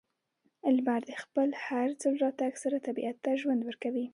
•لمر د خپل هر ځل راتګ سره طبیعت ته ژوند ورکوي.